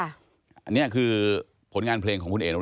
อันนี้คือผลงานเพลงของคุณเอ๋